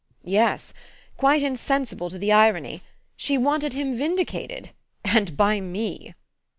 "Yes quite insensible to the irony. She wanted him vindicated and by me!"